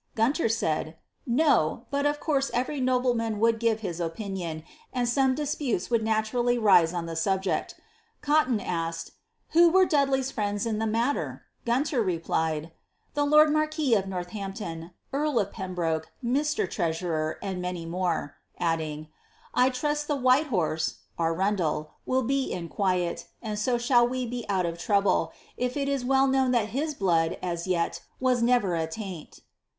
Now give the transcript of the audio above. Guntor said, No; but of course every nobleman would give his opinion, and some disputes 1 »oald naturally rise on the subject." Cotton asked, '^ Who were Dud ' l«y'8 friends in the matter .^" Guntor replied, ^' the lord marquis of Northampton, earl of Pembroke, Mr. Treasurer, and many more;" •dding, ^ I trust the White Horse (Arundel) will be in quiet, and so flhall we be out of trouble ; it is well known that his blood, as yet, was ftwer attaint."